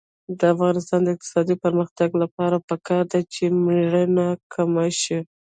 د افغانستان د اقتصادي پرمختګ لپاره پکار ده چې مړینه کمه شي.